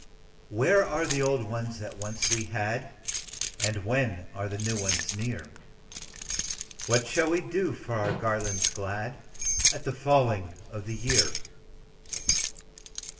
Where are the old ones that once we had, And when are the new ones near? What shall we do for our garlands glad At the falling of the year?"